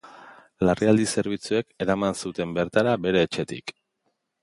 Larrialdi zerbitzuek eraman zuten bertara bere etxetik.